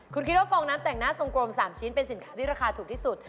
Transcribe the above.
คุณคิดว่าฟองน้ำแต่งหน้าทรงกลม๓ชิ้นเป็นสินค้าที่ราคาถูกที่สุด